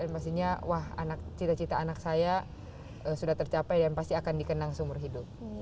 pastinya cita cita anak saya sudah tercapai dan pasti akan dikenang seumur hidup